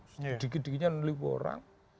sedikit sedikitnya menelikong orang